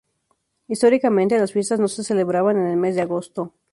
Históricamente las fiestas no se celebraban en el mes de agosto.